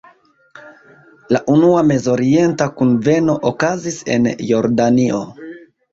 La unua Mezorienta kunveno okazis en Jordanio.